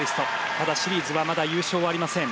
ただ、シリーズはまだ優勝はありません。